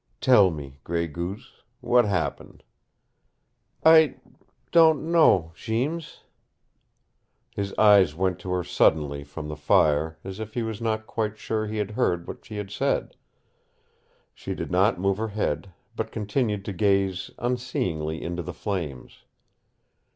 "Tell me, Gray Goose what happened?" "I don't know Jeems " His eyes went to her suddenly from the fire, as if he was not quite sure he had heard what she had said. She did not move her head, but continued to gaze unseeingly into the flames.